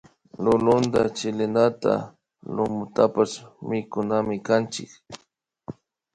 Lulunta chilinata lumutapash mikunamikanchik